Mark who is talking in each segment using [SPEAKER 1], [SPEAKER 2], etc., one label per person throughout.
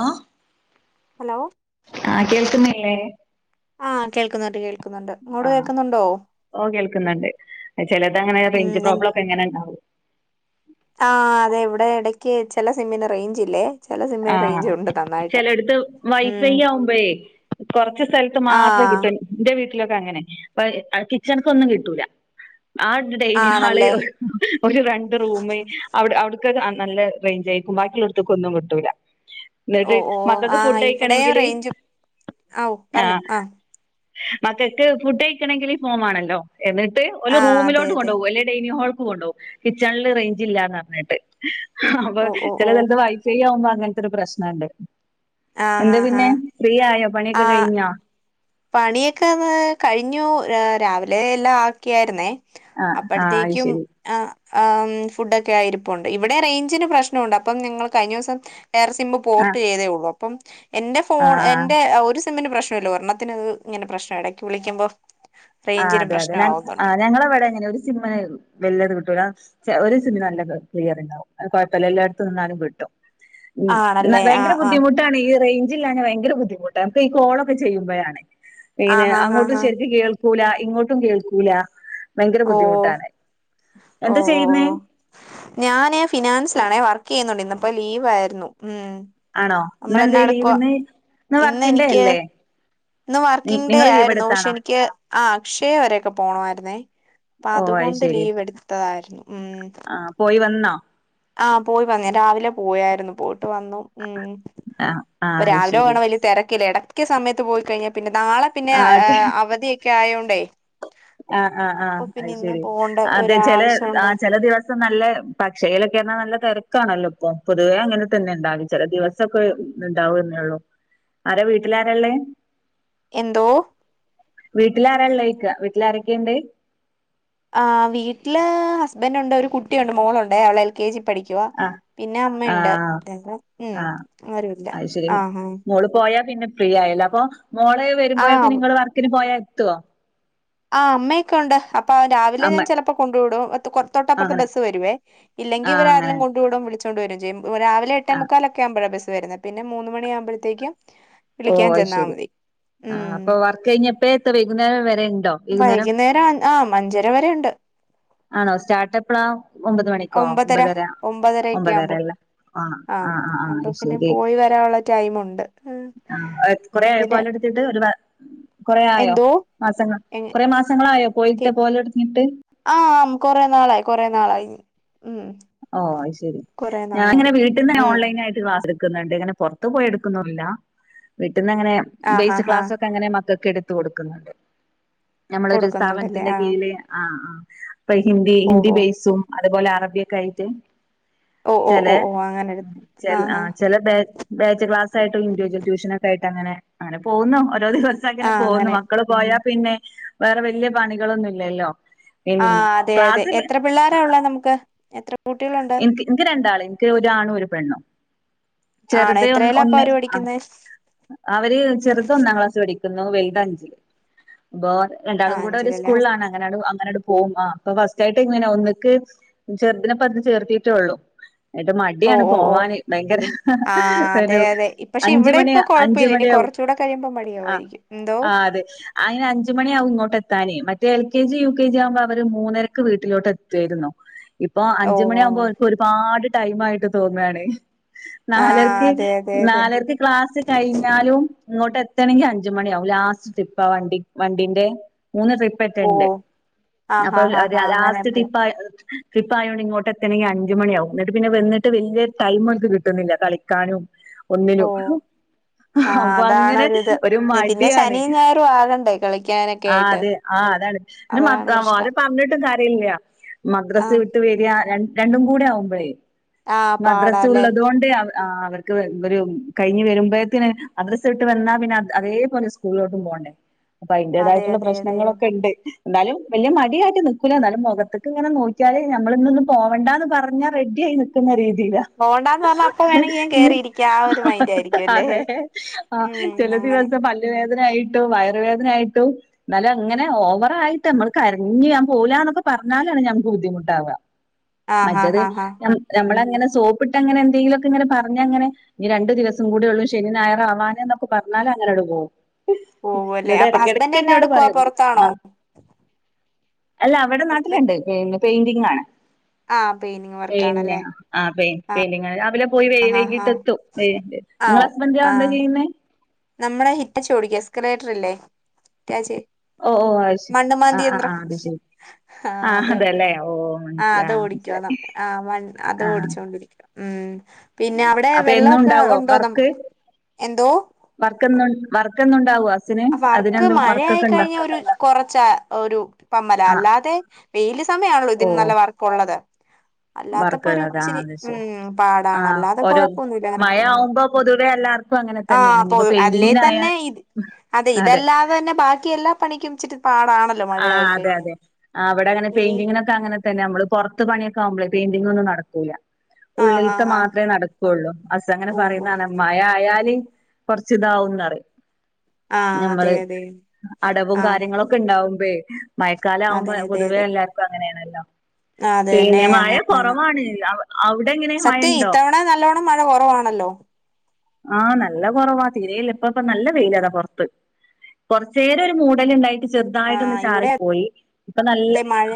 [SPEAKER 1] ആ
[SPEAKER 2] ഹലോ
[SPEAKER 1] ആ കേൾക്കുന്നില്ലേ
[SPEAKER 2] ആ കേൾക്കുന്നുണ്ട് കേൾക്കുന്നുണ്ട് അങ്ങോട് കേൾക്കുന്നുണ്ടോ
[SPEAKER 1] ണ്ട് ചിലത് അങ്ങനെ റേഞ്ച് പ്രോബ്ലോക്കെ എങ്ങനെ ഉണ്ടാവും
[SPEAKER 2] ആ അതെ ഇവിടെ ഇടക്ക് ചില സിമ്മിന് റേഞ്ച് ഇല്ലേ ചില സിമ്മിന്
[SPEAKER 1] ആഹ്
[SPEAKER 2] റേഞ്ച് ഉണ്ട്താനും
[SPEAKER 1] ചിലടുത്ത് വൈഫൈ ആവുമ്പഴേ കുറച്ച് സ്ഥലത്ത് മാത്രമേ
[SPEAKER 2] ആഹ്
[SPEAKER 1] കിട്ടൂ എന്റെ വീട്ടിൽ ലൊക്കെ അങ്ങനെ വ അ കിച്ചണക്ക് ഒന്നും കിട്ടൂല ആടെ ഡൈനിങ്
[SPEAKER 2] ആഹ്
[SPEAKER 1] ഹാള്
[SPEAKER 2] നല്ലേ
[SPEAKER 1] ഒരു രണ്ട് റൂമ് അവിടെ അവിടെ നല്ല റേഞ്ച് ആയിരിക്കും ബാക്കിയുള്ളടത്തേക് ഒന്നും കിട്ടൂല്ല
[SPEAKER 2] ഓ
[SPEAKER 1] എന്നിട്ട്
[SPEAKER 2] ഓ
[SPEAKER 1] മക്കൾക്ക്
[SPEAKER 2] ആഹ്
[SPEAKER 1] ഫുഡ്
[SPEAKER 2] ഇവിടെയും
[SPEAKER 1] കയിക്കണങ്കില്
[SPEAKER 2] റേഞ്ചും ഔ
[SPEAKER 1] ആ
[SPEAKER 2] പറഞ്ഞോ ആഹ്
[SPEAKER 1] മക്കൾക്ക് ഫുഡ് കഴിക്കണമെങ്കിൽ മക്കക്ക് ഫുഡ് കയിക്കണങ്കില് ഫോൺ വേണല്ലോ എന്നിട്ട് ഒരു
[SPEAKER 2] ആഹ് അതെ
[SPEAKER 1] റൂമിലോട്ട്
[SPEAKER 2] അതെ
[SPEAKER 1] കൊണ്ടുപോകു അല്ലേ ഡൈനി ഹോൾ കൊണ്ടു പോവും കിച്ചണിൽ റേഞ്ച് ഇല്ലന്നറിഞ്ഞിട്ട്അപ്പൊ
[SPEAKER 2] ഓ ഓ
[SPEAKER 1] ചില
[SPEAKER 2] ഓ
[SPEAKER 1] സ്ഥലത്ത് വൈഫൈ മുമ്പ് അങ്ങനത്തെ ഒരു പ്രശ്നുണ്ട്
[SPEAKER 2] ആഹ്
[SPEAKER 1] എന്താ
[SPEAKER 2] ആഹ്
[SPEAKER 1] പിന്നെ
[SPEAKER 2] ആഹ്
[SPEAKER 1] ഫ്രീ ആയോ പണിയൊക്കെ കഴിഞ്ഞാ
[SPEAKER 2] പണിയൊക്കെന്ന് കഴിഞ്ഞു രാവിലെ എല്ലാം ആക്കിയായിരുന്നേ
[SPEAKER 1] ആഹ് ആഹ് അത്
[SPEAKER 2] അപ്പഴത്തേക്കും
[SPEAKER 1] ശരി
[SPEAKER 2] ആ ആം ഫുഡൊക്കെ ആയിരു ണ്ട് ഇവിടെ റേഞ്ചിന് പ്രശ്നമുണ്ട് അപ്പം ങ്ങള്ൾ കഴിഞ്ഞ ദിവസം എയർ സിമ്മ് പോർട്ട്
[SPEAKER 1] ആഹ്
[SPEAKER 2] ചെയ്തേ ഉള്ളു അപ്പം എന്റെ ഫോൺ
[SPEAKER 1] ആഹ് ആഹ്
[SPEAKER 2] എന്റെ ഒരു സിമ്മിന് പ്രശ്നല്ലോ ഒരെണ്ണത്തിന്ത് ഇങ്ങനെ പ്രശ്നം ഇടക്ക് വിളിക്കുമ്പോ
[SPEAKER 1] ആ അതെ അതെ ഞ ആ ഞങ്ങളവിടെ എങ്ങനെ ഒരു സിമ്മ് വലിയത് കിട്ടൂല ഒരു സിമ്മ് നല്ല ക്ലിയർ ഉണ്ടാവും അത് കുഴപ്പമില്ല എല്ലായിടത്തും നിന്നാലും കിട്ടും ഉം
[SPEAKER 2] ആണല്ലേ ആ
[SPEAKER 1] ഭയങ്കര
[SPEAKER 2] ആ
[SPEAKER 1] ബുദ്ധിമുട്ടാണ് ഈ റേഞ്ച് ഭയങ്കര ബുദ്ധിമുട്ട് നമക്ക് ഈ കോളൊക്കെ ചെയ്യുമ്പോഴാണ്
[SPEAKER 2] ആ
[SPEAKER 1] പിന്നെ
[SPEAKER 2] ഹാ ഹാ
[SPEAKER 1] അങ്ങോട്ട്
[SPEAKER 2] ഹാ
[SPEAKER 1] ശരി കേൾ കേക്കൂല ഇങ്ങോട്ടും കേൾക്കൂല ഭയങ്കര
[SPEAKER 2] ഓ
[SPEAKER 1] ബുദ്ധിമുട്ടാണ്.
[SPEAKER 2] ഓ
[SPEAKER 1] എന്താ
[SPEAKER 2] ഓ
[SPEAKER 1] ചെയ്യുന്നേ?
[SPEAKER 2] ഞാനേ ഫിനാൻസിലാണേ വർക്ക് ചെയ്യുന്നുണ്ട് ഇന്നപ്പോ ലീവായിരുന്നു ഉം
[SPEAKER 1] ആണോ
[SPEAKER 2] നമ്മളെന്നെ
[SPEAKER 1] ഇന്നെന്തേ ലീവ്
[SPEAKER 2] അടക്ക
[SPEAKER 1] ഇന്ന്
[SPEAKER 2] ഇന്ന്
[SPEAKER 1] വർക്കിംഗ് ഡേ
[SPEAKER 2] എനിക്ക്
[SPEAKER 1] അല്ലേ?
[SPEAKER 2] ഇന്ന്
[SPEAKER 1] നി
[SPEAKER 2] വർക്കിംഗ് ഡേ
[SPEAKER 1] നിങ്ങള്
[SPEAKER 2] ആയിരുന്നു പക്ഷെ
[SPEAKER 1] ലീവെടുത്താണോ?
[SPEAKER 2] എനിക്ക് ആ അക്ഷയ വരൊക്കെ പോണമായിരുന്നേ അപ്പ
[SPEAKER 1] ഓ
[SPEAKER 2] അതുകൊണ്ട്
[SPEAKER 1] അയ്ശരി.
[SPEAKER 2] ലീവ് എടുത്തതായിരുന്നു ഉം
[SPEAKER 1] ന്ന
[SPEAKER 2] ആ പോയി പറഞ്ഞു ഞാൻ രാവിലെ പോയായിരുന്നു പോയിട്ട് വന്നു ഉം
[SPEAKER 1] ആഹ്
[SPEAKER 2] ഇപ്പൊ
[SPEAKER 1] ആഹ്
[SPEAKER 2] രാവിലെ
[SPEAKER 1] അയ്ശരി.
[SPEAKER 2] വേണം വലിയ തിരക്കല്ല ഇടക്ക സമയത്ത് പോയി കഴിഞ്ഞ പി - പിന്നെ നാളെ പിന്നെ അ
[SPEAKER 1] ആഹ്
[SPEAKER 2] അവധിയൊക്കെ ആയതോണ്ടേ
[SPEAKER 1] ആആ ആ അത് ശരി അതെ ചില
[SPEAKER 2] ഒരാവശ്യം
[SPEAKER 1] ആ
[SPEAKER 2] ഉണ്ടോ
[SPEAKER 1] ചില ദിവസം നല്ല പക്ഷേല് എന്നാൽ നല്ല തിരക്കാണല്ലോ ഇപ്പൊ പൊതുവേ അങ്ങനെ തന്നെ ഉണ്ടാവ ചില ദിവസമൊക്കെ ഉണ്ടാവന്നേള്ളു ആരെ വീട്ടിലാരള്ളെ
[SPEAKER 2] എന്തോ
[SPEAKER 1] വീട്ടിലാരാള്ളോ യ് ക്ക വീട്ടില് ആരൊക്കെയുണ്ട്
[SPEAKER 2] ആ വീട്ടില് ഹസ്ബൻറ് ഉണ്ട് ഒരു കുട്ടിയുണ്ട് മോളുണ്ട് അവള എൽ കെ ജി പഠിക്കുവ
[SPEAKER 1] ആഹ്
[SPEAKER 2] പിന്നെ അമ്മയു ണ്ട്
[SPEAKER 1] ആഹ്
[SPEAKER 2] എ ഉ
[SPEAKER 1] ആഹ്
[SPEAKER 2] ആരുല്ല
[SPEAKER 1] അത് ശരി
[SPEAKER 2] ആ ആ
[SPEAKER 1] മോള് പോയാ പിന്നെ ഫ്രീ ആയില്ല അപ്പൊ മോള വരുമ്പോഴൊക്കെ നിങ്ങള് വർക്കിന് പോയാ എത്തുവോ
[SPEAKER 2] ആ അമ്മയൊക്കെ ഉണ്ട് അപ്പൊ രാവിലെ
[SPEAKER 1] അമ്മ
[SPEAKER 2] ഞാൻ ചിലപ്പോ കൊണ്ടു വിടും പുറത്തോട്ടപ്പുറത്ത്
[SPEAKER 1] അങ്ങനെ
[SPEAKER 2] ബസ് വരുവേ ഇല്ലെങ്കി
[SPEAKER 1] ആഹ് അങ്ങനെ
[SPEAKER 2] ഇവരരെല്ലും കൊണ്ടു വിടും വിളിച്ചോണ്ട് വരുകയും ചെയ്യും രാവില എട്ടേ
[SPEAKER 1] ആഹ്
[SPEAKER 2] മുക്കാലൊക്കെ ആകുമ്പഴാണ് ബസ് വരുന്നത് പിന്നെ മൂന്ന് മണിആകുമ്പഴ ത്തേ ക്കും
[SPEAKER 1] ഓ ശരി ആ
[SPEAKER 2] ഉം
[SPEAKER 1] അപ്പൊ വർക്ക് കഴിഞ്ഞപ്പോ എത്ര വൈകുന്നേരം വരെ ഉണ്ടോ
[SPEAKER 2] വൈകുന്നേരം ആ അഞ്ചര വരെ ഉണ്ട്
[SPEAKER 1] ആണോ സ്റ്റാർട്ടപ്പ്ളാ ഒമ്പത് മണിക്കോ ഒമ്പതര
[SPEAKER 2] ഒമ്പതരയൊക്കെ ആവുമ്പോ
[SPEAKER 1] ഒമ്പതരയല്ലേ ആ
[SPEAKER 2] ആഹ്
[SPEAKER 1] ആ ആ ആ
[SPEAKER 2] അപ്പൊ പിന്നെ
[SPEAKER 1] ശരി
[SPEAKER 2] പോയി വരാനുള്ള ടൈമുണ്ട് ഉം
[SPEAKER 1] ആ കൊറ
[SPEAKER 2] ഇതിന്
[SPEAKER 1] ആയപ്പോല പിന്നെ ഒരു വർ കുറെ ആയോ
[SPEAKER 2] എന്തോ
[SPEAKER 1] മാസങ്ങൾ
[SPEAKER 2] എ
[SPEAKER 1] കുറെ മാസങ്ങളായോ പോയിട്ട് പോലൊടിഞ്ഞിട്ട്
[SPEAKER 2] ആഹ കൊറെ നാളായി കൊറെ നാളായി ഉം
[SPEAKER 1] ഓ ശരി
[SPEAKER 2] കൊറെ
[SPEAKER 1] ഞാനിങ്ങന
[SPEAKER 2] നാളായിട്ട്
[SPEAKER 1] വീട്ടന്ന
[SPEAKER 2] ഉം
[SPEAKER 1] ഓൺലൈനായിയി്ക്ലാസ് എടുക്ക ണ്ട് ഇങ്ങനെ പുറത്ത പോയി എടുക്കുന്നു വീട്ടന്ന്ങ്ങനെ
[SPEAKER 2] ആഹ്
[SPEAKER 1] ബേസ്
[SPEAKER 2] ആഹ് ആഹ്
[SPEAKER 1] ക്ലാസ്ൊക്കെ അങ്ങനെ മക്ക എടുത്ത കൊടുക്കുന്നുണ്ട് നമ്മളൊരു
[SPEAKER 2] കൊടുക്കുന്നുണ്ടല്ലേ
[SPEAKER 1] സ്ഥാപനത്തിന്റെ
[SPEAKER 2] ആഹ്
[SPEAKER 1] കീഴ ആ ഇപ്പൊ ഹിന്ദി ഹിന്ദി
[SPEAKER 2] ഓഹോ
[SPEAKER 1] ബേസും അതുപോലെ അറബിയൊക്കെ ആയിട്ട്
[SPEAKER 2] ഓ ഓ ഓ ഓ അന
[SPEAKER 1] ഉ ആ ചില ബാച്ച് ക്ലാസ്സായിട്ടും ഇൻഡവിജ്വൽ ട്യൂഷനൊക്കെ ആയിട്ട് അങ്ങനെ അങ്ങനെ പോകുന്നു ഓരോ ദിവസം അങ്ങനെ പോകുന്നു മക്കള് പോയാ പിന്നെ വേറെ വലിയ പണികളൊന്നുംല്ലല്ലോ
[SPEAKER 2] ആ അതെ അതെ എത്ര പിള്ളോര ഉള്ള നമുക്ക് കുട്ടികളുണ്ട്
[SPEAKER 1] എനിക്ക് എനിക്ക് രണ്ടാള് എനിക്ക് ഒരാണു ഒരു പെണ്ണും
[SPEAKER 2] ആണോ
[SPEAKER 1] ചെറുത ഒന്ന്
[SPEAKER 2] എത്രേലാ അപ്പൊ
[SPEAKER 1] ഒന്ന്
[SPEAKER 2] അവര്
[SPEAKER 1] ആ
[SPEAKER 2] പഠിക്കുന്നെ
[SPEAKER 1] അവര് ചെറുത ഒന്നാം ക്ലാസ് പഠിക്കും വലത് അഞ്ചില് ഇ രണ്ടാളും
[SPEAKER 2] ആഹ്
[SPEAKER 1] കൂടെ ഒരു
[SPEAKER 2] അഞ്ചിലല്ലേ ഹസ്-
[SPEAKER 1] സ്കൂളാണ് അങ്ങന അങ്ങനട് പോകും അപ്പ തൃച്ചയായിട്ട് ഇങ്ങനെ ഒന്നക്ക് ചെറുെപ്പ അ ചേർത്തിട്ടേള്ളു ഏട്ട്
[SPEAKER 2] ഓ
[SPEAKER 1] മടിയാണ്
[SPEAKER 2] ഓ ഓ
[SPEAKER 1] പോവാന് ഭയങ്കര
[SPEAKER 2] ആഹ് അതെ
[SPEAKER 1] ഒരു
[SPEAKER 2] അതെ ഇ- പക്ഷെ
[SPEAKER 1] അഞ്ച്
[SPEAKER 2] ഇവിടെ
[SPEAKER 1] മണിയാ
[SPEAKER 2] ഇപ്പൊ
[SPEAKER 1] അഞ്ച്
[SPEAKER 2] കൊഴപ്പമില്ല ഇനി
[SPEAKER 1] മണിയാവും
[SPEAKER 2] കുറച്ചുകൂടെ കഴിയുമ്പോ
[SPEAKER 1] ആഹ്
[SPEAKER 2] മടിയാവായിരിക്കും എന്തോ
[SPEAKER 1] ആഹ് അതെ അയിന് അഞ്ചുമണിയാവും ഇങ്ങോട്ട് എത്താനേ മ റ്റെ L K G, U K G ആവുമ്പോ അവര് മൂന്നരക്ക് വീട്ട്ലോട്ട്ത്തേരുന്നു ഇപ്പൊ
[SPEAKER 2] ഓ
[SPEAKER 1] അഞ്ച്
[SPEAKER 2] ഓ
[SPEAKER 1] മണിയാവുമ്പോ ഓല്ക്ക് ഒരുപാട് ടൈമായിട്ട് തോന്നാണെ
[SPEAKER 2] ആഹ്
[SPEAKER 1] നാലരക്ക്
[SPEAKER 2] അതെ അതെ അതെ
[SPEAKER 1] നാലരക്ക് ക്ലാസ് കഴിഞ്ഞാലും ഇങ്ങോട്ടെ ത്തണെങ്കി അഞ്ച് മണിയാവും ലാസ്റ്റ് ട്രിപ്പാ വണ്ടി വണ്ടിന്റെ മൂന്ന്
[SPEAKER 2] ഓ
[SPEAKER 1] ട്രിപ്പറ്റേണ്ട്
[SPEAKER 2] ആഹ് ആഹ്
[SPEAKER 1] അപ്പഹ്
[SPEAKER 2] ആഹ്
[SPEAKER 1] അതെ ലാസ്റ്റ്
[SPEAKER 2] അങ്ങനെപ്പോ
[SPEAKER 1] ട്രിപ്പാ അയ് അഹ് ട്രിപ്പായോണ്ട് ഇങ്ങോട്ടെത്തണെങ്കി അഞ്ച് മണിയാവും ന്ന്ട്ട് പിന്നെ വന്ന്ട്ട് വെല്ല്യേ ടൈമോല്ക്ക് കിട്ട്ന്നില്ല കളിക്കാനും
[SPEAKER 2] ഓ
[SPEAKER 1] ഒന്നിനും
[SPEAKER 2] ആഹ്
[SPEAKER 1] അപ്പൊ
[SPEAKER 2] അതാണ്
[SPEAKER 1] അങ്ങനെ
[SPEAKER 2] ഇത്
[SPEAKER 1] ഒരു
[SPEAKER 2] പിന്നെ
[SPEAKER 1] മടിയാണ്
[SPEAKER 2] ശനിയും ഞായറും ആകണ്ടേ കളിക്കാനൊക്കെ
[SPEAKER 1] ആഹ്
[SPEAKER 2] ആയിട്ട്
[SPEAKER 1] അതെ ആഹ് ആ അതാണ് ഞ്
[SPEAKER 2] അതാണ്
[SPEAKER 1] മദ്രാ ഓലോട്
[SPEAKER 2] പ്രശ്നം
[SPEAKER 1] പർഞ്ഞിട്ടും കാര്യല്ല
[SPEAKER 2] ആഹ്
[SPEAKER 1] സ് വിട്ട് വെര്യാ രണ്ട് രണ്ടുംകൂടെ ആവുമ്പഴേ
[SPEAKER 2] ആഹ്
[SPEAKER 1] മദ്രസു
[SPEAKER 2] പാടാല്ലേ
[SPEAKER 1] ള്ള തോണ്ട് അവ ആഹ അവർക്ക് ഇവര് കഴിഞ്ഞ് വരുമ്പഴേക്ക്ന് മദ്രസ് വിട്ട് വന്നാ പിന്നെ അത് അതേപോലെ സ്കൂളിലോട്ടും പോ പോണ്ടേ
[SPEAKER 2] അതെ
[SPEAKER 1] അപ്പയ്ന്റേതായിട്ടുള്ള
[SPEAKER 2] അതെ അതെ അതെ
[SPEAKER 1] പ്രശ്നങ്ങളൊക്കെണ്ട് എന്നാലും വെല്ല്യെ മടികാട്ടി നിക്കൂല ന്നാലും മൊഖത്ത്ക്ക് ങ്ങനെ നോ ക്ക്യാല് ഞമ്മള്ന്ന്ന്ന് പോവണ്ടന്ന് പർഞ്ഞാ റെഡ്യായി നിക്ക്ന്ന രീ തിയിലാ
[SPEAKER 2] പോണ്ടാന്ന് പറഞ്ഞ അപ്പൊ വേണെങ്കി ഞാൻ കേറിയിരിക്കാം ആ ഒരു മൈൻഡ് ആയിരിക്കും അല്ലേ
[SPEAKER 1] അതെ ആഹ് ചെ
[SPEAKER 2] ഉം അങ്ങനെ
[SPEAKER 1] ദിവസം പല്ല് വേദനായി ട്ടും വയർവേദനായിട്ടും ന്നാലു അങ്ങനെ ഓവറായിട്ട് നമ്മള് കരഞ്ഞ് ഞാൻ പോവുലാന്നൊക്കെ പർഞ്ഞാലാണ് ഞാ ബുദ്ധിമുട്ടാവാ
[SPEAKER 2] ആഹ്
[SPEAKER 1] മറ്റേത്
[SPEAKER 2] ആഹ് ആഹ് ആഹ്
[SPEAKER 1] ഞം ഞമ്മളെ അങ്ങനെ സോപ്പിട്ടങ്ങനെ എന്തെങ്കിലൊക്കങ്ങനെ പർഞ്ഞാ ങ്ങനെ ഇഞ് രണ്ട് ദിവസം കൂട്യൊള്ളൂ ശനിം ഞയറാവാന് ന്നൊക്കെ പ ർഞ്ഞാല് അങ്ങനണ്ട് പോവും.
[SPEAKER 2] പോവല്ലേ
[SPEAKER 1] ഇന്നട്ട്
[SPEAKER 2] അപ്പൊ ഹസ്ബൻഡ് എന്നാ
[SPEAKER 1] എടക്കെടക്കെന്നോട്
[SPEAKER 2] എടുക്കുവാ
[SPEAKER 1] പറിം
[SPEAKER 2] പൊറത്താണോ
[SPEAKER 1] ആഹ് അല്ല അവടെ
[SPEAKER 2] ഹസ്ബൻഡ്
[SPEAKER 1] നാട്ടിലുണ്ട് പിന്നെ പെയ്ന്റിങാണ്
[SPEAKER 2] ആഹ് പെയിന്റിങ്
[SPEAKER 1] പിന്നെ
[SPEAKER 2] വർക്കാണല്ലേ
[SPEAKER 1] ആഹ് പെയ് പെയ്ൻ്റിങാണ് രാവിലെ പോയി വൈ
[SPEAKER 2] ആഹ് ആഹ് ആഹ്
[SPEAKER 1] വൈകീട്ടെത്തും വെ [unintelligible] ഇങ്ങളസ്ബെൻഡോ എന്താ ചെയ്യുന്നേ?
[SPEAKER 2] നമ്മളെ ഹിറ്റച്ചോടിക്ക എസ്കലേറ്ററില്ലേ ഹിറ്റാച്ച്
[SPEAKER 1] ഓ ഓ അത് ശരി ആ ആ ആ
[SPEAKER 2] മണ്ണ്മാതിയന്ത്രം
[SPEAKER 1] അത് ശരി
[SPEAKER 2] ഹാ
[SPEAKER 1] ആ
[SPEAKER 2] ത്
[SPEAKER 1] അതെല്ലേ ഓ
[SPEAKER 2] ആഹ്
[SPEAKER 1] മനസ്സില
[SPEAKER 2] അതോടിക്ക്യാന്ന
[SPEAKER 1] മനസ്സിലായി
[SPEAKER 2] ആ മൺ
[SPEAKER 1] ആ
[SPEAKER 2] അതോടിച്ചൊണ്ടിരിക്ക. ഉം പിന്നെ അവടെ
[SPEAKER 1] അപ്പൊ എന്നും
[SPEAKER 2] വെള്ളൊക്കെ
[SPEAKER 1] ഉണ്ടാവോ
[SPEAKER 2] ഉണ്ടോ നമ്മക്ക് എന്തോ?
[SPEAKER 1] ക്കെന്നു വർക്കെന്നുണ്ടാവോ ഹസ്
[SPEAKER 2] വർക്ക് മഴായിക്കഴിഞ്ഞ ഒരു കൊറച്ച ഒരു പമ്മല
[SPEAKER 1] ആ
[SPEAKER 2] അല്ലാതെ വെയില് സമയാണല്ലോ
[SPEAKER 1] ഓ
[SPEAKER 2] ഇതിന് നല്ല വർക്കുള്ളത്. അല്ലാത്തപ്പോരു
[SPEAKER 1] വർക്കുള്ളതാ
[SPEAKER 2] ച്ചിരി
[SPEAKER 1] അത് ശരി
[SPEAKER 2] ഉം
[SPEAKER 1] ആ
[SPEAKER 2] പാടാണല്ലാതെ
[SPEAKER 1] ഓരോ
[SPEAKER 2] കൊഴപ്പൊന്നുല്ല അങ്ങനെ
[SPEAKER 1] മഴ
[SPEAKER 2] പോവുന്നു.
[SPEAKER 1] ആവുമ്പോ പൊതുവെ എല്ലാർക്കും അങ്ങനെ
[SPEAKER 2] ആഹ്
[SPEAKER 1] തന്നെയാണ്
[SPEAKER 2] പ്പൊ
[SPEAKER 1] ഇനിയിപ്പോ പെയിന്റിങ്ങിനായ
[SPEAKER 2] അലെതെന്നെ ഇത് അതെ ഇതല്ലാതെന്നെ ബാക്കി എല്ലാ പണിക്കുംച്ചിരി പാടാണ്.
[SPEAKER 1] ആ അതെയതെ ആ അവിടങ്ങനെ
[SPEAKER 2] വെയി
[SPEAKER 1] പെയിന്റിങ്ങിനൊക്കെയങ്ങനെ തന്നെ നമ്മള് പുറത്ത് പണിയൊക്കെയാകുമ്പളെ പെയിന്റിെങ്ങൊന്നുംനടക്കൂല്ല.
[SPEAKER 2] ആഹ് ആഹ് ആഹ്
[SPEAKER 1] ഉള്ളിലത്തെമാത്രെ നടക്കുള്ളൂ ഹസ്സങ്ങനെ
[SPEAKER 2] ഓഹ് ഓഹ്
[SPEAKER 1] പറയുന്നതാണ് മഴയായാൽ. ദി കൊറച്ചിതാവുന്നാണ്
[SPEAKER 2] ആഹ് അതെ
[SPEAKER 1] ഞമ്മള്
[SPEAKER 2] അതെ
[SPEAKER 1] അടവും
[SPEAKER 2] ആഹ്
[SPEAKER 1] കാര്യങ്ങളൊക്കെയുണ്ടാവു മ്പേ മഴക്കാല ആകുമ്പോപൊതുവെ എല്ലാർക്കും അങ്ങനെയാണല്ലോ
[SPEAKER 2] ആ അതുതന്നെ
[SPEAKER 1] പിന്നെ മഴ
[SPEAKER 2] അങ്ങനെ തന്നെ
[SPEAKER 1] കുറവാണ് അവിടെ എങ്ങനെ മഴ
[SPEAKER 2] സത്യം ഈ
[SPEAKER 1] ഉണ്ടോ
[SPEAKER 2] ത്തവണ നല്ലവണ്ണം മഴകുറവാ ണല്ലോ
[SPEAKER 1] ആ നല്ലകുറവാ തീരെയില്ല ഇപ്പപ്പ നല്ല വെയിലാണ് പുറത്ത്. കുറച്ചുനേരമൊരു മൂടലുണ്ടായി ചെറുതായിട്ടൊന്ന്
[SPEAKER 2] ആഹ് ഇവിടെ
[SPEAKER 1] ചാറിപ്പോയി ഇപ്പൊനല്ല
[SPEAKER 2] അതെ മഴ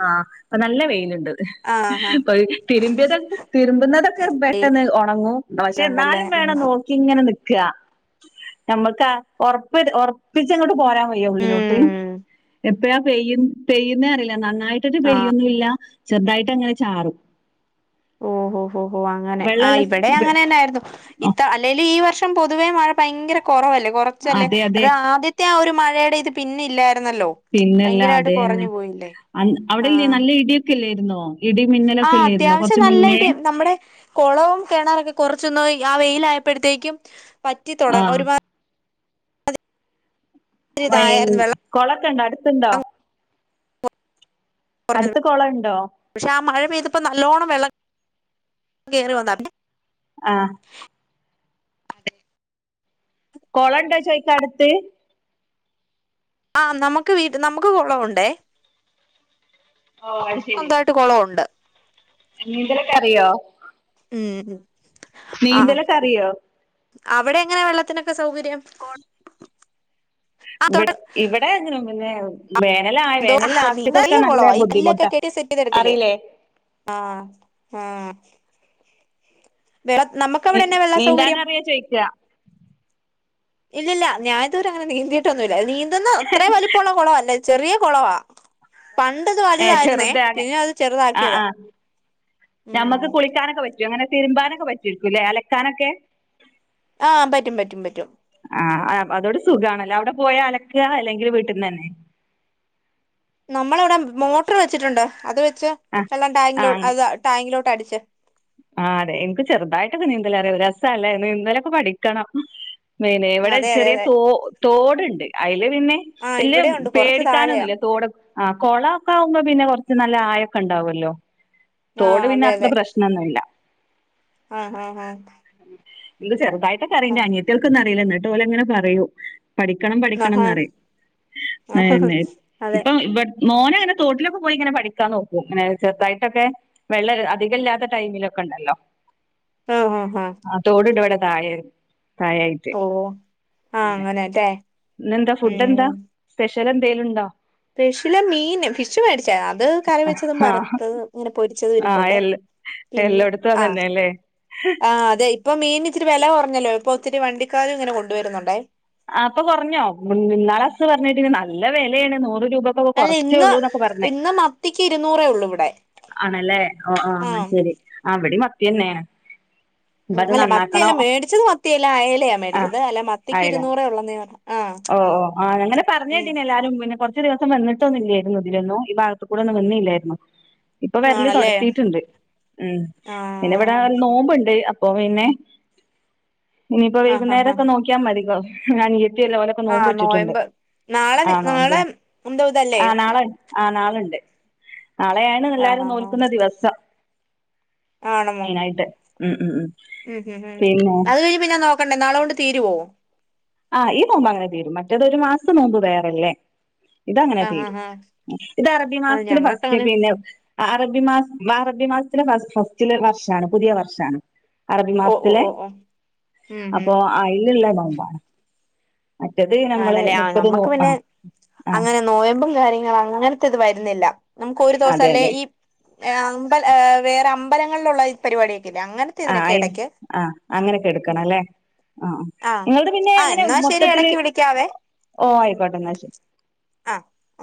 [SPEAKER 1] ആ ഇപ്പോനല്ല വെയിലുണ്ട്.
[SPEAKER 2] ആഹ്
[SPEAKER 1] കൊയ് തിരുമ്പിയതൊ തിരുമ്പുന്നതൊക്കെ
[SPEAKER 2] ആഹ്
[SPEAKER 1] പെട്ടെന്ന് ഒണങ്ങും
[SPEAKER 2] ണ്ടല്ലേ
[SPEAKER 1] പക്ഷേയെന്നാലും
[SPEAKER 2] ഉം
[SPEAKER 1] വേണം നോക്കിയിങ്ങനെ നി ക്കാ ഞമ്മക്കാ ഒറപ്പ് ഒറപ്പിച്ചങ്ങോട്ട് പോരാൻ വയ്യ ഉള്ളിലോട്ട്
[SPEAKER 2] ഉം
[SPEAKER 1] എപ്പഴാ പെയ്യു പെയ്യുന്നേറിയില്ല നന നന്നായിട്ടൊട്ടു,
[SPEAKER 2] ആഹ്
[SPEAKER 1] പെയ്യുന്നുമില്ല. ചെറുതായിട്ടങ്ങനെ ചാറും.
[SPEAKER 2] ഓഹോ, ഹോ.. ഹോ.. അങ്ങനെ ആ..
[SPEAKER 1] വെള്ളമുള്ള സ് വെ-
[SPEAKER 2] ഇവിടെയങ്ങനെതന്നെയായിരുന്നു.
[SPEAKER 1] ആ,
[SPEAKER 2] ഇത്ത, അല്ലേലുമീ വർഷം പൊതുവേമഴ ഭയങ്കര കുറവല്ലേ, കുറച്ചല്ലേ,
[SPEAKER 1] അതെ അതെ
[SPEAKER 2] അത് ആദ്യത്തെ ആയൊരു മഴ മഴയുടെയിത് പിന്നെ ഇല്ലായിരുന്നല്ലോ,
[SPEAKER 1] പിന്നല്ല
[SPEAKER 2] ഭയങ്കരമായിട്ട്
[SPEAKER 1] അതെ തന്നെ
[SPEAKER 2] കുറഞ്ഞു പോയില്ലേ
[SPEAKER 1] അന്ന് അവിടെ ഇല്ലേ
[SPEAKER 2] ആഹ്
[SPEAKER 1] നല്ല ഇടിയൊക്കെ ഇല്ലായിരുന്നോ ഇടി
[SPEAKER 2] ആ..
[SPEAKER 1] മിന്നലൊക്കെ ഇല്ലായിരുന്നോ
[SPEAKER 2] അത്യാവശ്യം
[SPEAKER 1] കുറച്ച്
[SPEAKER 2] നല്ലായി
[SPEAKER 1] മുന്നേ
[SPEAKER 2] ടിയും. നമ്മുടെ കൊളവും കിറണുമൊക്കെ. കൊറച്ചൊന്നാവെയിൽ ആയപ്പോഴത്തേക്കും
[SPEAKER 1] ആ
[SPEAKER 2] പറ്റിത്തുടങ്ങി, ഒരു മാ
[SPEAKER 1] മഴ,
[SPEAKER 2] ഇതായിരുന്നു
[SPEAKER 1] കൊളമൊക്കെയുണ്ടോ? അടുത്തുണ്ടോ?
[SPEAKER 2] വെള്ളം
[SPEAKER 1] അടുത്തുകൊളമുണ്ടോ?
[SPEAKER 2] ഇപ്പമിതിപ്പോ, നല്ലോണ്ണം വെള്ളം കേറി വന്നായിരുന്നു.
[SPEAKER 1] ആ കൊളമുണ്ടോ ചോദിക്കടുത്ത്
[SPEAKER 2] ആ, നമുക്കുവീട്ടി നമുക്ക് കുളമുണ്ടേ..
[SPEAKER 1] ഓ അത് ശരി
[SPEAKER 2] സ്വന്തായിട്ട് കുളമുണ്ട്
[SPEAKER 1] നീന്തലൊക്കെ അറിയോ
[SPEAKER 2] ഉം..
[SPEAKER 1] നീന്തലൊക്കെയറിയോ
[SPEAKER 2] അവിടെങ്ങനാ വെള്ളത്തിനൊക്കെ സൗകര്യം. ആ
[SPEAKER 1] ഇവി,
[SPEAKER 2] തൊട്ട
[SPEAKER 1] ഇവിടെങ്ങനെ, പിന്നെ വേനലാ വേനലാക്കിയതൊക്കെയനല്ല ബുദ്ധിമുട്ട്
[SPEAKER 2] റെസീപ്പി തരത്തില്ലേ ആഹ്.. ആ... വേറെ,
[SPEAKER 1] നീ
[SPEAKER 2] നമുക്കവിടെന്നാവെള്ള
[SPEAKER 1] നീന്താൻ
[SPEAKER 2] സൗകര്യം.
[SPEAKER 1] അറിയോ ചോദിക്കുക
[SPEAKER 2] ഇല്ലില്ല. ഞാനിതുവരെ യങ്ങനെ നീ ന്തീട്ടൊന്നുമില്ല. നീന്തുന്ന അത്രേംവലിപ്പമുള്ള കുളമല്ല. ചെറിയ കുളവാ
[SPEAKER 1] ഏ
[SPEAKER 2] പണ്ടിതുവലുതായിരുന്നേ,
[SPEAKER 1] ചെറുത് അങ്ങ
[SPEAKER 2] പിന്നെയത്
[SPEAKER 1] ആ ആ
[SPEAKER 2] ചെറുതാക്കിയതാ.
[SPEAKER 1] ഞമ്മക്ക് കുളിക്കാനൊക്കെ പറ്റും അങ്ങനെ തിരുമ്പാനൊക്കെപറ്റുമായിരിക്കുമല്ലേ. അലക്കാനൊക്കെ.
[SPEAKER 2] ആഹ് പറ്റും പറ്റും പറ്റും
[SPEAKER 1] ആ, അതോട് സുഖമാണല്ലേ അവിടെ പോയലക്കുകയാണല്ലെങ്കിൽ വീട്ടീന്നു തന്നെ.
[SPEAKER 2] നമ്മളവിടെ മോട്ടർ വെച്ചിട്ടുണ്ട്. അതുവെച്ച്
[SPEAKER 1] ആ
[SPEAKER 2] വെള്ളം ടാങ്കിലോട്ട് അത് ടാങ്കിലോട്ട്. അടിച്ച്
[SPEAKER 1] ആയതെ, എനിക്കുചെറുതായിട്ടൊക്കെ നീന്തലറിയാം. രസാല്ലേ നീന്തലൊക്കെ പഠിക്കണം. പിന്നെയിവിടെ
[SPEAKER 2] അതെ അതെ
[SPEAKER 1] ചെറിയ
[SPEAKER 2] അതെ
[SPEAKER 1] തോ, തോടുണ്ട്. അതിലു പിന്നെ
[SPEAKER 2] ആഹ്
[SPEAKER 1] വല്യ
[SPEAKER 2] ഇവിടെ ഉണ്ട് കൊറച്ച് താഴെയാ
[SPEAKER 1] പേടിക്കാനൊന്നുമില്ല. തോട്, ആ.. കൊളമൊക്കെയാകുമ്പോ, പിന്നെ കുറച്ചുനല്ല ആയ ഉണ്ടാവുവല്ലോ. തോട്
[SPEAKER 2] ആഹ്
[SPEAKER 1] പിന്നെ അത്ര പ്രശ്നമൊന്നുമില്ല.
[SPEAKER 2] ആ... ആഹ്... ആ..
[SPEAKER 1] ഇതുചെറുതായിട്ടൊക്കെ അറിയുന്നേ അനിയത്തികൾക്കൊന്നുമറിയില്ല. എന്നിട്ടുപോലു മിങ്ങനെ പറയൂ. പഠിക്കണം.
[SPEAKER 2] ആഹ്
[SPEAKER 1] പഠിക്കണെന്നറിയും.
[SPEAKER 2] ആഹ് അതെ
[SPEAKER 1] ഇപ്പംഇവ മോനാണ്തോട്ടിലൊക്കെ പോയിങ്ങനെ പഠിക്കാൻ നോക്കും. ഇങ്ങനെ ചെറുതായിട്ടൊക്കെ വെള്ളമധികമില്ലാത്തടൈമിലു നോണ്ടല്ലോ
[SPEAKER 2] ആഹ് ആഹ് ആഹ്
[SPEAKER 1] ആ തോടുണ്ട് ഇവിടെ താഴെ പ്രായായിട്ട്
[SPEAKER 2] ഓ ആഹ് അങ്ങനെല്ലേ
[SPEAKER 1] ഇന്ന് എന്താ ഫുഡ് എന്താ സ്പെഷ്യ വേറെന്തേലുണ്ടോ
[SPEAKER 2] സ്പെഷ്യല് മീന് ഫിഷ് മേടിച് അത് കറി വെച്ചതും
[SPEAKER 1] ആഹ്
[SPEAKER 2] വറുത്തതും ഇങ്ങനെ പൊരിച്ചത്
[SPEAKER 1] ആഹ്
[SPEAKER 2] ഇരിപ്പണ്ട്
[SPEAKER 1] എല്ല
[SPEAKER 2] പിന്നെ
[SPEAKER 1] എല്ലായിടത്തും
[SPEAKER 2] ആഹ
[SPEAKER 1] അതന്നെല്ലേ
[SPEAKER 2] ആ അതെ ഇപ്പൊ മീൻ ഇച്ചിരി വില കുറ അങ്ങല്ലോ ഇപ്പൊ ഒത്തിരി വണ്ടിക്കാലും ഇങ്ങനെ കൊണ്ടുവരുന്നുണ്ടേ
[SPEAKER 1] അപ്പൊ പറഞ്ഞോ പിന്നാലെ അസ് പറഞ്ഞിട്ടി നല്ല വിലയാണ് നൂറ് രൂപക്കൊക്കെ
[SPEAKER 2] അല്ല
[SPEAKER 1] കുറച്ചേ
[SPEAKER 2] ഇന്ന്
[SPEAKER 1] ഉള്ളൂ എന്നൊക്കെ പറഞ്ഞേ
[SPEAKER 2] ഇന്ന് മത്തിക്ക് ഇരുന്നൂറേ ഉള്ളൂ ഇവിടെ
[SPEAKER 1] ആണല്ലേ ഓ ആ
[SPEAKER 2] ആഹ്
[SPEAKER 1] ശെരി ആ അവിടെ മത്തി തന്നെയ
[SPEAKER 2] ഉ അല്ലെ മത്തിയല്ല മേടിച്ചത് മത്തിയല്ല അയലയാ
[SPEAKER 1] ആഹ്
[SPEAKER 2] മേടിച്ചത് അല്ല മത്തിക്ക്
[SPEAKER 1] അയല
[SPEAKER 2] ഇരുന്നൂറ ഉള്ളെന്നീ ആ
[SPEAKER 1] ഓ ഓ ആ അങ്ങനെ പറഞ്ഞ കേട്ടന്നെ എല്ലാരും പിന്നെ ഇ ദിവസം വന്നിട്ടൊന്നില്ലായിരുന്നു ഇതിലൊന്നും ഈ ഭാഗത്ത കൂടെ ഒന്നും വന്നില്ലായിരുന്നു ഇപ്പൊ വരല്
[SPEAKER 2] ആണല്ലേ
[SPEAKER 1] തൊടത്തിട്ടുണ്ട് ഉ പിന്നെ ഇവിടെ
[SPEAKER 2] ആഹ്
[SPEAKER 1] നോമ്പുണ്ട് അപ്പൊ പിന്നെ ഇനിയിപ്പോ
[SPEAKER 2] ആഹ് ആഹ്
[SPEAKER 1] വൈകുന്നേരൊക്കെ നോക്കിയാൽ മതിക്കോ ഇല്ല ഓനൊക്കെ നോമ്പ്
[SPEAKER 2] ആഹ്
[SPEAKER 1] വെച്ചിട്ടുണ്ട്
[SPEAKER 2] നോയമ്പ് നാളെ
[SPEAKER 1] ആ
[SPEAKER 2] നി
[SPEAKER 1] നോമ്പ്
[SPEAKER 2] നാളെ എന്തോ ഇതല്ലേ
[SPEAKER 1] ആ നാളെ- ആ നാളുണ്ട് നാളെയാണ്
[SPEAKER 2] ആഹ്
[SPEAKER 1] എല്ലാരും
[SPEAKER 2] ആഹ്
[SPEAKER 1] നോൽക്കുന്ന
[SPEAKER 2] ആഹ്
[SPEAKER 1] ദിവസം
[SPEAKER 2] ആണമോ
[SPEAKER 1] മെയിൻ ആയിട്ട് ഉം ഉം ഉ
[SPEAKER 2] ഉം ഉം ഉം അത് കഴിഞ്ഞ് പിന്നാൻ നോക്കണ്ടേ നാളെ കൊണ്ട് തീരുവോ
[SPEAKER 1] ആഹ് ഈ നോമ്പ് അങ്ങനെ തീരും മറ്റേത് ഒരു മാസം നോമ്പ് വേറെല്ലേ ഇതങ്ങനെ
[SPEAKER 2] ആഹ്
[SPEAKER 1] തീരും
[SPEAKER 2] ആഹ് ആഹ്
[SPEAKER 1] ഇത് അറബി
[SPEAKER 2] ആഹ്
[SPEAKER 1] മാസത്തിന്
[SPEAKER 2] ഞങ്ങൾക്ക്
[SPEAKER 1] ഫസ്റ്റ്
[SPEAKER 2] അങ്ങനെ
[SPEAKER 1] പിന്നെ- അറബി മാസ അറബി മാസത്തിലെ ഫസ്റ്റില് വർഷമാണ് പുതിയ വർഷമാണ് അറബി
[SPEAKER 2] ഓ ഓ
[SPEAKER 1] മാസത്തിലെ
[SPEAKER 2] ഓ ഓ ഉം ഉം
[SPEAKER 1] അപ്പൊ അയിലു ല്ലതാണ്
[SPEAKER 2] ആണല്ലേ ആ
[SPEAKER 1] മുപ്പത് നോ
[SPEAKER 2] നമ്മുക്ക് പിന്നെ
[SPEAKER 1] ആഹ് ആഹ്
[SPEAKER 2] അങ്ങനെ നോയമ്പും കാര്യങ്ങളും അങ്ങനെ വരുന്നില്ല നമുക്ക് ഒരു ദിവസം
[SPEAKER 1] അതെ
[SPEAKER 2] അല്ലേ
[SPEAKER 1] അതെ
[SPEAKER 2] ഈ അമ്പൽ വേറെ- അമ്പലങ്ങളിലുള്ളള്ള പരിപാടിയെ
[SPEAKER 1] ആ അയി ആഹ് അങ്ങനൊക്കെ എടുക്കണം
[SPEAKER 2] ഉം
[SPEAKER 1] അല്ലേ ആഹ
[SPEAKER 2] ആഹ്
[SPEAKER 1] നിങ്ങളുടെ പിന്നെ
[SPEAKER 2] ആഹ്
[SPEAKER 1] അങ്ങനെ
[SPEAKER 2] എന്നാ ശരി
[SPEAKER 1] മൊത്തത്തില്
[SPEAKER 2] ഇടക്ക് വിളിക്കാവേ
[SPEAKER 1] ഓ ആയിക്കോട്ടെ എന്നാ ശരി
[SPEAKER 2] ആഹ്